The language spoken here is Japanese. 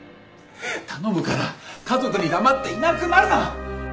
頼むから家族に黙っていなくなるな！